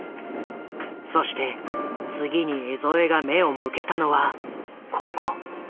そして次に江副が目を向けたのはここ。